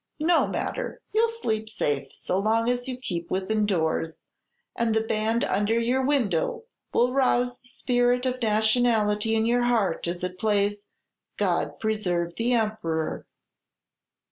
No matter. You 'll sleep safe so long as you keep within doors, and the band under your window will rouse the spirit of nationality in your heart, as it plays, 'God preserve the Emperor!'"